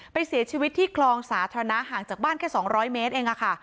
ไปเสียชีวิตที่คลองสาธารณะห่างจากบ้านแค่๒๐๐เมตรเองค่ะ